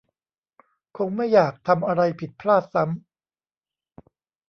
คงไม่อยากทำอะไรผิดพลาดซ้ำ